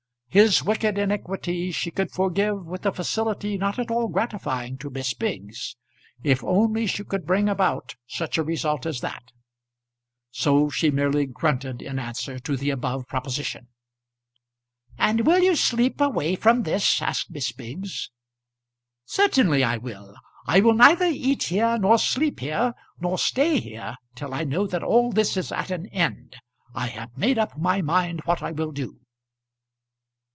His wicked iniquity she could forgive with a facility not at all gratifying to Miss Biggs, if only she could bring about such a result as that. So she merely grunted in answer to the above proposition. "And will you sleep away from this?" asked Miss Biggs. "Certainly I will. I will neither eat here, nor sleep here, nor stay here till I know that all this is at an end. I have made up my mind what I will do."